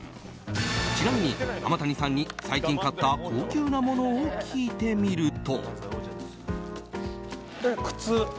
ちなみに浜谷さんに最近買った高級なものを聞いてみると。